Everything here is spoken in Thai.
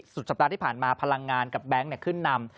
สัปดาห์ที่ผ่านมาพลังงานกับแบงค์ขึ้นนำ